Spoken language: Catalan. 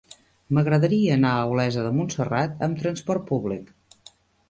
M'agradaria anar a Olesa de Montserrat amb trasport públic.